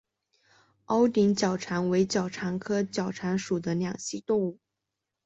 凹顶角蟾为角蟾科角蟾属的两栖动物。